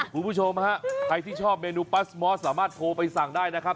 คุณผู้ชมฮะใครที่ชอบเมนูปัสมอสสามารถโทรไปสั่งได้นะครับ